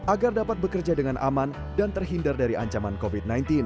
agar dapat bekerja dengan aman dan terhindar dari ancaman covid sembilan belas